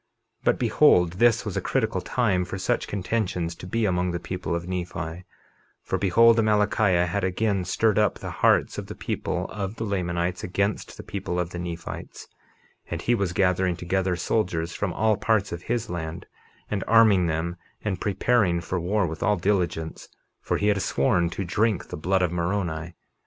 51:9 But behold, this was a critical time for such contentions to be among the people of Nephi; for behold, Amalickiah had again stirred up the hearts of the people of the Lamanites against the people of the Nephites, and he was gathering together soldiers from all parts of his land, and arming them, and preparing for war with all diligence; for he had sworn to drink the blood of Moroni.